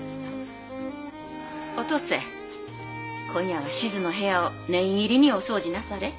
お登勢今夜は志津の部屋を念入りにお掃除なされ。